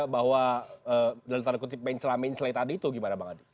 bahwa dari tanda kutip mensela mensela itu gimana bang adi